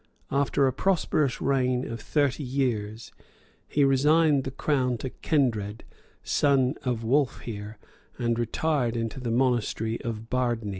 After a prosperous reign of thirty years, he resigned the crown to Kendred, son of Wolfhere, and retired into the monastery of Bardney.